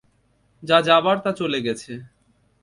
যা যাবার তা চলে গেছে।